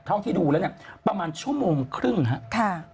เท่าที่ดูแล้วเนี่ยประมาณชั่วโมงครึ่งครับ